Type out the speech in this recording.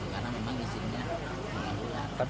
karena memang izinnya tidak ada